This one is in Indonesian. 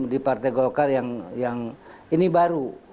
di partai golkar yang ini baru